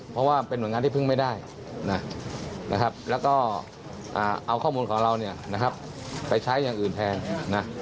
แล้วก็เอาข้อมูลของเราเนี่ยไปใช้อย่างอื่นแทน